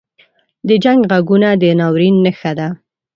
• د جنګ ږغونه د ناورین نښه ده.